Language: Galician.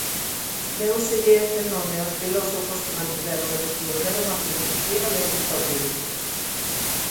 Déuselle este nome aos filósofos que mantiveron e desenvolveron a filosofía de Aristóteles.